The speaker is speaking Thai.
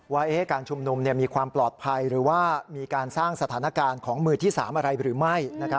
ว่าการชุมนุมมีความปลอดภัยหรือว่ามีการสร้างสถานการณ์ของมือที่๓อะไรหรือไม่